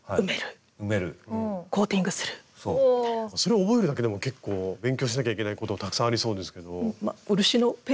それを覚えるだけでも結構勉強しなきゃいけないことがたくさんありそうですけど。